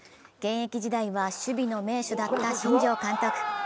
現役時代は守備の名手だった新庄監督。